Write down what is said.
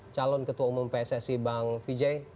calon ketua umum pssi bang vijay